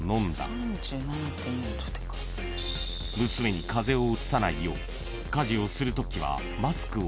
［娘に風邪をうつさないよう家事をするときは］